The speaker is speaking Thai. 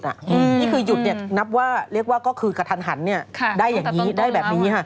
นี่คือหยุดนับว่าเรียกว่าก็คือกระทันหันได้แบบนี้